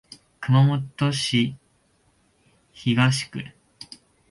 熊本市東区